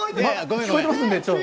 聞こえてますので。